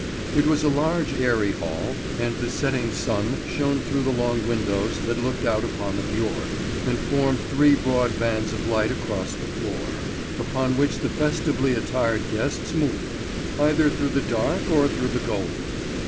It was a large, airy hall, and the setting sun shone through the long windows that looked out upon the fjord, and formed three broad bands of light across the floor, upon which the festively attired guests moved, either through the dark or through the gold.